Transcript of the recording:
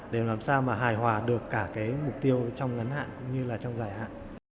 để làm sao mà hài hòa được cả cái mục tiêu trong ngắn hạn cũng như là trong dài hạn